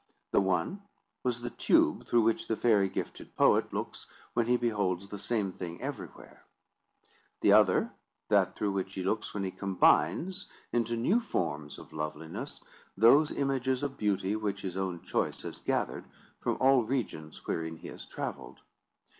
The one was the tube through which the fairy gifted poet looks when he beholds the same thing everywhere; the other that through which he looks when he combines into new forms of loveliness those images of beauty which his own choice has gathered from all regions wherein he has travelled.